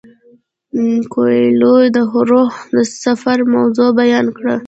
کویلیو د روح د سفر موضوع بیان کړه.